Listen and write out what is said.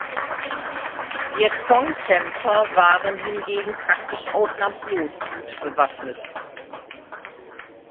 Vietcong-Kämpfer waren hingegen praktisch ausnahmslos gut bewaffnet.